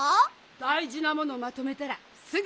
だいじなものをまとめたらすぐいくわ。